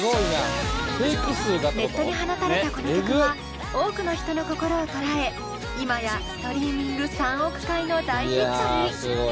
ネットに放たれたこの曲は多くの人の心を捉え今やストリーミング３億回の大ヒットに！